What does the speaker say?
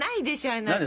あなた。